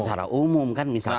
secara umum kan misalkan